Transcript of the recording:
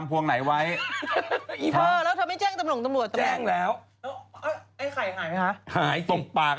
มัวเปล่า